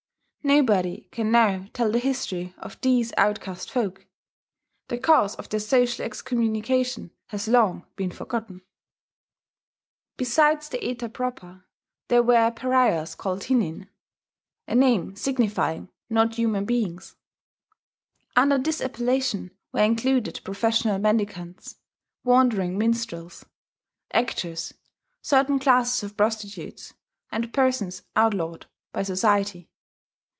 Nobody can now tell the history of these outcast folk: the cause of their social excommunication has long been forgotten. Besides the Eta proper, there were pariahs called hinin, a name signifying "not human beings." Under this appellation were included professional mendicants, wandering minstrels, actors, certain classes of prostitutes, and persons outlawed by society.